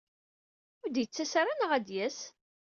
Ur d-yettas ara neɣ ad d-yas?